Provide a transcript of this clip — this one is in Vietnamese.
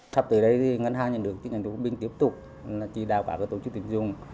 thập tỷ đây ngân hàng nhà nước chi nhánh quảng bình tiếp tục chỉ đạo cả tổ chức tiền dùng